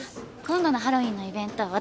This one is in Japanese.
今度のハロウィーンのイベント